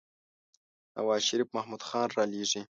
نوازشريف محمود خان رالېږي.